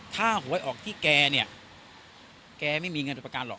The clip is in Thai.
ถ้าผมไหว้ออกที่แกแกไม่มีเงียนดับประการหรอก